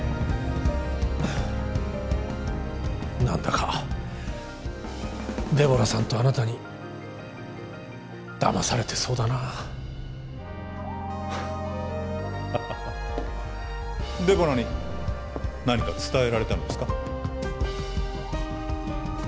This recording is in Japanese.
何だかデボラさんとあなたにだまされてそうだなハッハハハデボラに何か伝えられたのですか？